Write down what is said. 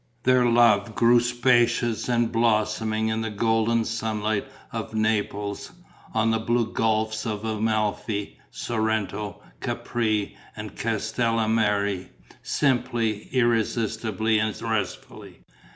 Their love grew spacious and blossoming in the golden sunlight of Naples, on the blue gulfs of Amalfi, Sorrento, Capri and Castellamare, simply, irresistibly and restfully.